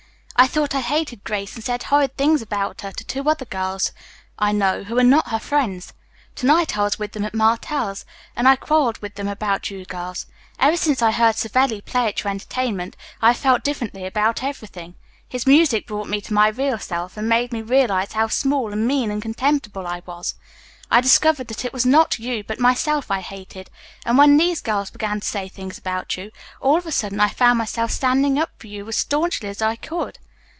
"I thought I hated Grace and said horrid things about her to two other girls I know, who are not her friends. To night I was with them at Martell's, and I quarreled with them about you girls. Ever since I heard Savelli play at your entertainment I have felt differently about everything. His music brought me to my real self and made me realize how small and mean and contemptible I was. I discovered that it was not you but myself I hated, and when these girls began to say things about you, all of a sudden I found myself standing up for you as staunchly as ever I could.